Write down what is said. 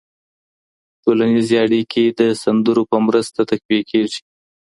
ټولنیز اړیکې د سندرو په مرسته تقویه کېږي.